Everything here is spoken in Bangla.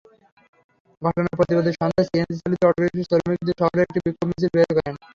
ঘটনার প্রতিবাদে সন্ধ্যায় সিএনজিচালিত অটোরিকশার শ্রমিকেরা শহরে একটি বিক্ষোভ মিছিল বের করেন।